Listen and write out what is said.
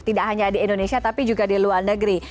tidak hanya di indonesia tapi juga di luar negeri